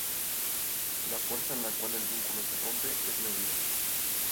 La fuerza en la cual el vínculo se rompe es medida.